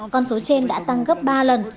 con số trên đã tăng gấp ba lần